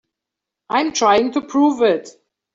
I'm trying to prove it.